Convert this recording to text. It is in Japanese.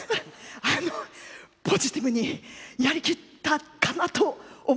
あのポジティブにやり切ったかなと思いますので。